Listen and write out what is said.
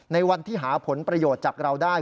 ในวันที่หาผลประโยชน์จากเราได้